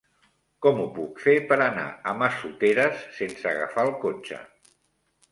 Com ho puc fer per anar a Massoteres sense agafar el cotxe?